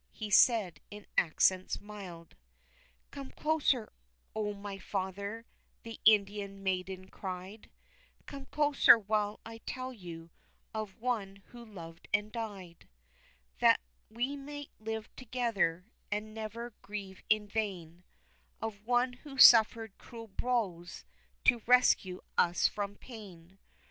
he said, in accents mild. "Come closer, Oh my father," the Indian maiden cried, "Come closer while I tell you of One who loved and died That we might live together, and never grieve in vain, Of One who suffered cruel blows to rescue us from pain."